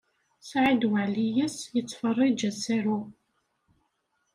Saɛid Waɛlias yettferrij asaru.